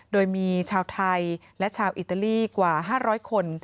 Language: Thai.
โดยมีชาวไทยและชาวอิตาลีกว่า๕๐๐คน